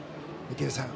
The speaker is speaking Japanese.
池江さん